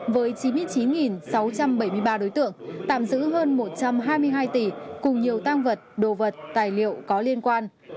với chín mươi chín sáu trăm bảy mươi ba đối tượng tạm giữ hơn một trăm hai mươi hai tỷ cùng nhiều tăng vật đồ vật tài liệu có liên quan